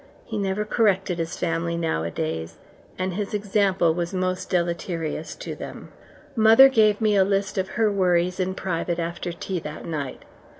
He never corrected his family nowadays, and his example was most deleterious to them. Mother gave me a list of her worries in private after tea that night.